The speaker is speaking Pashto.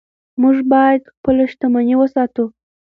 موږ باید خپله شتمني وساتو.